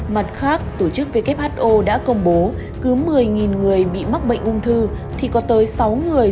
mặt khác tổ chức who đã công bố cứ một mươi người bị mắc bệnh ung thư thì có tới sáu người